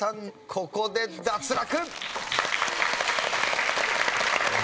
ここで脱落。